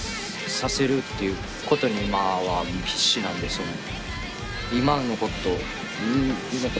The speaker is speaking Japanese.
そんなんで。っていうことに今は必死なんですよね。